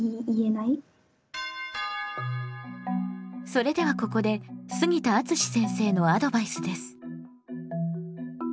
それではここで杉田敦先生のアドバイスです。